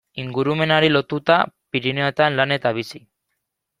Ingurumenari lotuta Pirinioetan lan eta bizi.